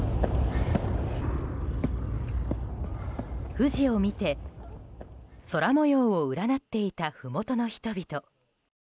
富士を見て空模様を占っていたふもとの人々。